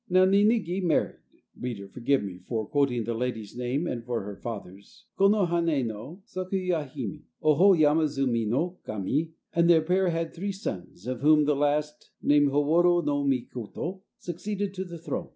Now Ninigi married (reader, forgive me for quoting the lady's name and her father's) Konohaneno sakuyahime, the daughter of Ohoyamazumino Kami, and the pair had three sons, of whom the last named Howori no Mikoto succeeded to the throne.